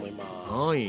はい。